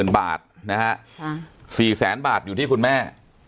๗๖๐๐๐๐บาทนะฮะ๔แสนบาทอยู่ที่คุณแม่